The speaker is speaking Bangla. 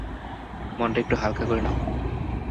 মনটা একটু হালকা করে নাও।